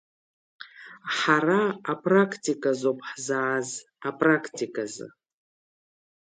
Ҳара апрактиказоуп ҳзааз, апрактиказы…